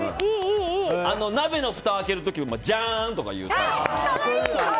鍋のふたを開ける時じゃーん！とか言う。